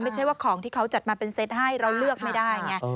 ไม่ใช่ว่าของที่เขาจัดมาเป็นเซตให้เราเลือกไม่ได้ไง